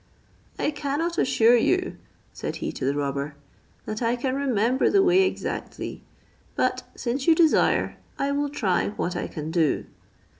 "I cannot assure you," said he to the robber, "that I can remember the way exactly; but since you desire, I will try what I can do."